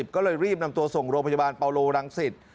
ก็เลยรีบนำตัวส่งโรงพยาบาลปาโลรังสิต